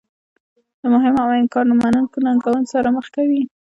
له مهمو او انکار نه منونکو ننګونو سره مخ کوي.